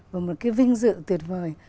và một cái vinh dự tuyệt vời